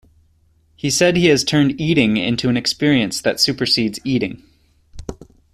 He said he has turned eating into an experience that supersedes eating.